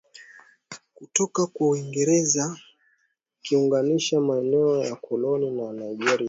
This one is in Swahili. kutoka kwa Uingereza ikiunganisha maeneo ya koloni la Nigeria na